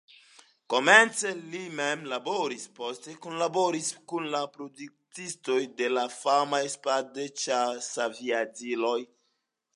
Komence li mem laboris, poste kunlaboris kun la produktistoj de la famaj Spad-ĉasaviadiloj.